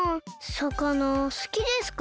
さかなすきですか？